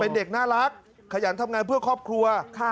เป็นเด็กน่ารักขยันทำงานเพื่อครอบครัว